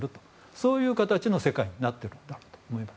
そういう形の世界になっていくと思います。